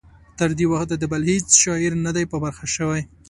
تر دې وخته د بل هیڅ شاعر نه دی په برخه شوی.